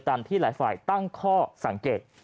ที่หลายฝ่ายตั้งข้อสังเกต